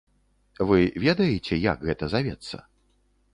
Вы ведаеце, як гэта завецца?